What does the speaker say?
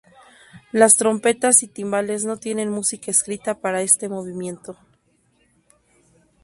Las trompetas y timbales no tienen música escrita para este movimiento.